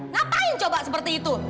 ngapain coba seperti itu